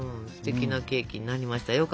すてきなケーキになりました。